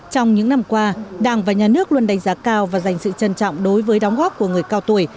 trong những năm qua đảng và nhà nước luôn đánh giá cao và dành sự trân trọng đối với đóng góp của người cao tuổi